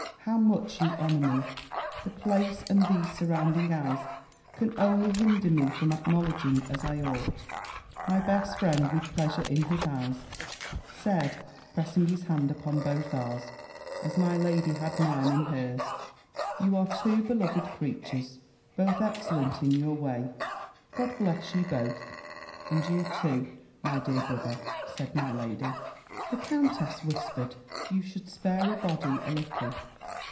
how much you honour me; the place, and these surrounding eyes, can only hinder me from acknowledging as I ought." My best friend, with pleasure in his eyes, said, pressing his hand upon both ours, as my lady had mine in hers "You are two beloved creatures: both excellent in your way. God bless you both." "And you too, my dear brother," said my lady. The countess whispered, "You should spare a body a little!